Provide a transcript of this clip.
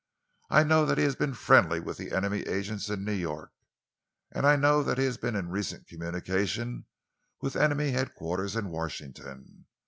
I know that he has been friendly with enemy agents in New York, and I know that he has been in recent communication with enemy headquarters at Washington.